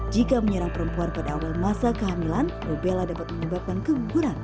jika menyerang perempuan pada awal masa kehamilan rubella dapat menyebabkan keguguran